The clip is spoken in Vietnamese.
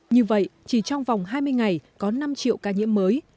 như vậy chỉ trong vòng hai mươi ngày có năm triệu ca nhiễm mới